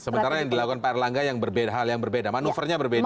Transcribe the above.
menjadikan pak erlangga hal yang berbeda manuvernya berbeda